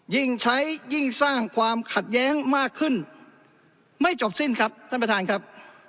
ยิ่งใช้ยิ่งสร้างความขัดแย้งมากขึ้นไม่จบสิ้นครับท่านประธานครับ